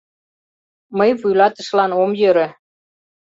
Мый вуйлатышылан ом йӧрӧ.